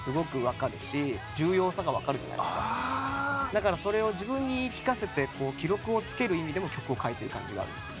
だからそれを自分に言い聞かせて記録をつける意味でも曲を書いてる感じがあるんですよ。